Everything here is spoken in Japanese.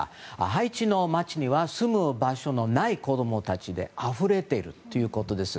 ハイチの街には住む場所のない子どもたちであふれているということです。